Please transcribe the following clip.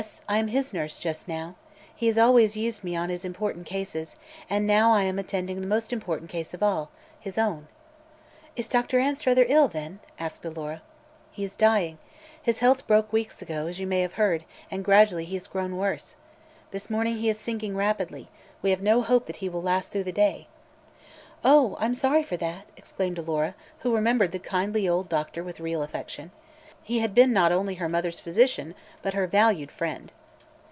I am his nurse, just now. He has always used me on his important cases, and now I am attending the most important case of all his own." "Is Dr. Anstruther ill, then?" asked Alora. "He is dying. His health broke weeks ago, as you may have heard, and gradually he has grown worse. This morning he is sinking rapidly; we have no hope that he will last through the day." "Oh, I'm sorry for that!" exclaimed Alora, who remembered the kindly old doctor with real affection. He had been not only her mother's physician but her valued friend.